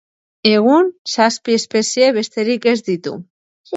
Egun zazpi espezie besterik ez ditu.